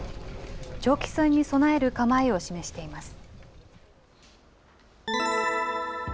長期戦に備える構えを示しています。